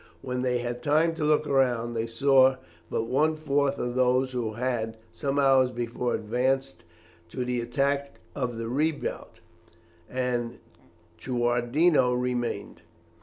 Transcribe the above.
When they had time to look round, they saw that but one fourth of those who had, some hours before, advanced to the attack of the redoubt of Chewardino remained.